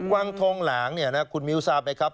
วังทองหลางคุณมิวทราบไหมครับ